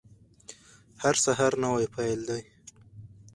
هر سهار نوی پیل دی